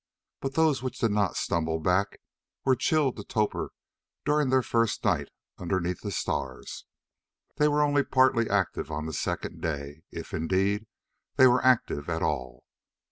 But those which did not stumble back were chilled to torpor during their first night underneath the stars. They were only partly active on the second day, if, indeed, they were active at all.